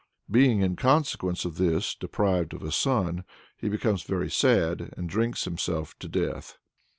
Being in consequence of this deprived of a son, he becomes very sad, and drinks himself to death.